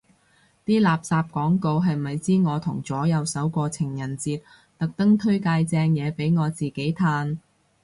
啲垃圾廣告係咪知我同左右手過情人節，特登推介正嘢俾我自己嘆